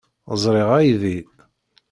Ẓṛiɣ aydi.